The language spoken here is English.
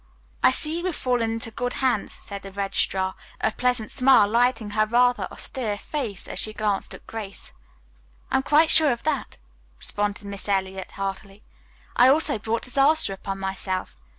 "I see you have fallen into good hands," said the registrar, a pleasant smile lighting her rather austere face as she glanced at Grace. "I am quite sure of that," responded Miss Eliot heartily. "I also brought disaster upon myself."